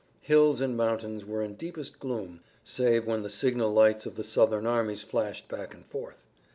Hills and mountains were in deepest gloom, save when the signal lights of the Southern armies flashed back and forth.